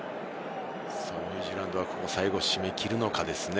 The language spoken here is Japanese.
ニュージーランドは最後、締め切るのか？